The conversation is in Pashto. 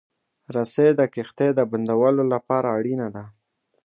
رسۍ د کښتۍ د بندولو لپاره اړینه ده.